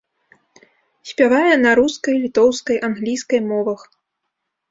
Спявае на рускай, літоўскай, англійскай мовах.